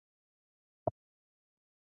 ځان په رښتيا هم د دغو پيسو مالک احساس کړئ.